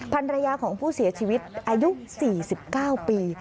ภรรยาของผู้เสียชีวิตอายุ๔๙ปี